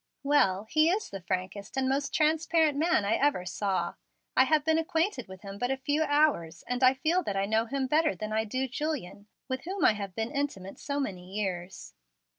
"Well, he is the frankest and most transparent man I ever saw. I have been acquainted with him but a few hours, and I feel that I know him better than I do Julian, with whom I have been intimate so many years."